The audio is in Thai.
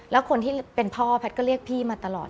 แล้วคนที่เป็นพ่อแพทย์ก็เรียกพี่มาตลอด